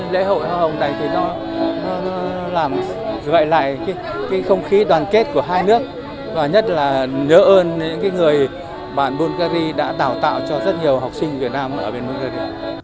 lễ hội hoa hồng này gợi lại không khí đoàn kết của hai nước và nhất là nhớ ơn những người bạn bungary đã tạo tạo cho rất nhiều học sinh việt nam ở bên bungary